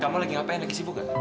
kamu lagi ngapain lagi sibuk gak